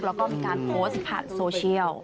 แล้วก็มีการโพสต์ผ่านโซเชียล